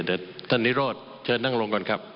เชิญท่านสร้างลง